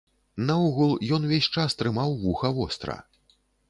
Наогул, ён увесь час трымаў вуха востра.